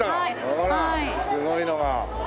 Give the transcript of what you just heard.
ほらすごいのが。